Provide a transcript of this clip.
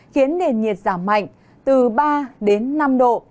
khiến nền nhiệt giảm mạnh từ ba đến năm độ